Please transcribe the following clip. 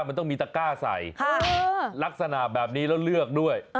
มันต้องมีตะก้าใส่ลักษณะแบบนี้แล้วเลือกด้วย